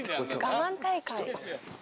我慢大会。